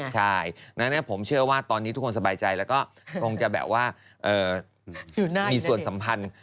ใช่ดังนั้นผมเชื่อว่าตอนนี้ทุกคนสบายใจแล้วก็คงจะแบบว่ามีส่วนสัมพันธ์